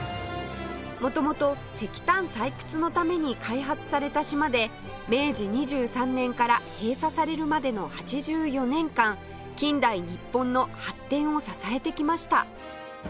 元々石炭採掘のために開発された島で明治２３年から閉鎖されるまでの８４年間近代日本の発展を支えてきました